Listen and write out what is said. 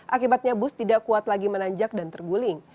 akibatnya bus tidak kuat lagi menanjak dan terguling